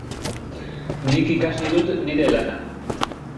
Nik ikasi dut nire lana.